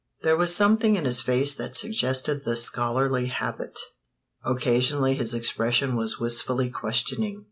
There was something in his face that suggested the scholarly habit occasionally his expression was wistfully questioning.